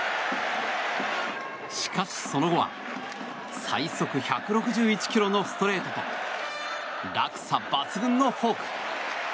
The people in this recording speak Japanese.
しかし、その後は最速１６１ｋｍのストレートと落差抜群のフォーク。